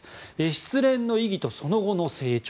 失恋の意義とその後の成長。